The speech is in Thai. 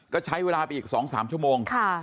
ก็ใช้เวลาไปอีก๒๓ชั่วโมง